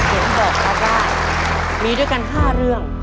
เห็นบอกมาได้มีด้วยกัน๕เรื่อง